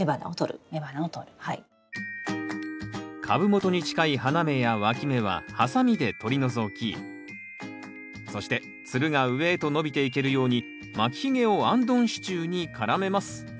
株元に近い花芽やわき芽はハサミで取り除きそしてつるが上へと伸びていけるように巻きひげをあんどん支柱に絡めます。